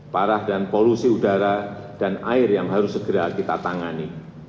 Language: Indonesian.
parah dan polusi udara dan air yang harus segera kita tangani